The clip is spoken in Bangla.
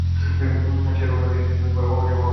সে রন ও হ্যারির সাথে হগওয়ার্টসের যুদ্ধে অংশগ্রহণ করে।